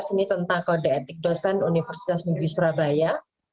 ini tentang kode etik dosen universitas negeri surabaya